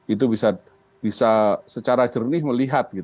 itu bisa secara jernih melihat